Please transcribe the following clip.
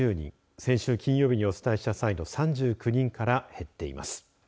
先週金曜日にお伝えした際の３９人から減っています。